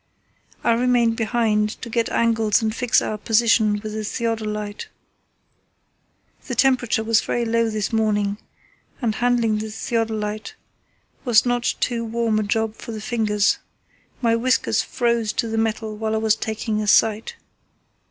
I remained behind to get angles and fix our position with the theodolite. The temperature was very low this morning, and handling the theodolite was not too warm a job for the fingers. My whiskers froze to the metal while I was taking a sight.